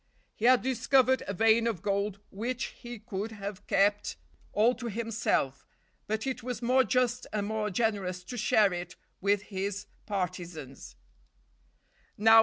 He had discovered a vein of gold which he could have kept all to himself, but it was more just and more generous to share it with his partisans.